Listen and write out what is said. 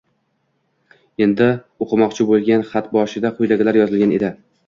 Endi o`qimoqchi bo`lgan xatboshida quyidagilar yozilgan edi